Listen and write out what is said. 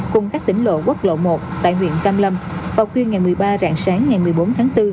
cùng các tỉnh lộ quốc lộ một tại huyện cam lâm vào khuyên ngày một mươi ba rạng sáng ngày một mươi bốn tháng bốn